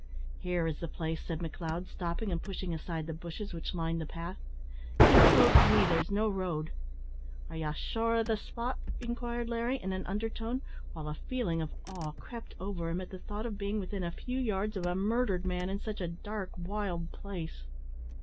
"Here is the place," said McLeod, stopping and pushing aside the bushes which lined the path. "Keep close to me there is no road." "Are ye sure o' the spot?" inquired Larry, in an undertone, while a feeling of awe crept over him at the thought of being within a few yards of a murdered man in such a dark, wild place.